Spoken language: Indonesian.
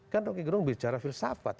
kan rocky gerung bicara filsafat